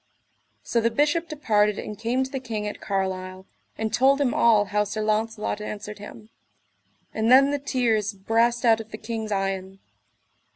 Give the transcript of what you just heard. So the Bishop departed and came to the king at Carlisle, and told him all how Sir Launcelot answered him; and then the tears brast out of the king's eyen.